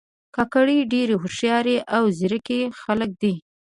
کاکړي ډېر هوښیار او زیرک خلک دي.